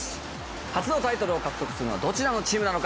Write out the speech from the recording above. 初のタイトルを獲得するのはどちらのチームなのか？